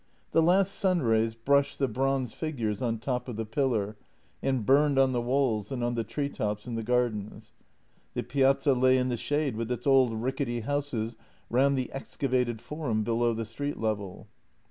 The last sunrays brushed the bronze figures on top of the pillar and burned on the walls and on the tree tops in the gar dens. The piazza lay in the shade, with its old, rickety houses round the excavated forum below the street level.